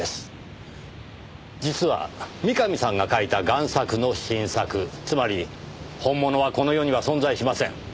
実は三上さんが描いた贋作の真作つまり本物はこの世には存在しません。